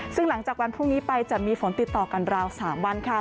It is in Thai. ซึ่งหลังจากวันพรุ่งนี้ไปจะมีฝนติดต่อกันราว๓วัน